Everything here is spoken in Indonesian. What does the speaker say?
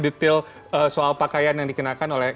detail soal pakaian yang dikenakan oleh